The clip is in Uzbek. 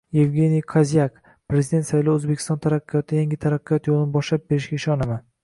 Yevgeniy Kozyak: “Prezident saylovi O‘zbekiston hayotida yangi taraqqiyot yo‘lini boshlab berishiga ishonaman”